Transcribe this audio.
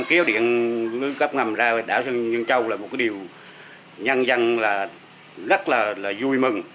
hệ thống cắp ngầm hai mươi hai kv xuyên biển với chiều dài một mươi chín mươi một km đường dây hai mươi hai kv trên đảo nhân châu